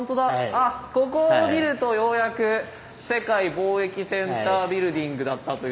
あっここを見るとようやく世界貿易センタービルディングだったというのが。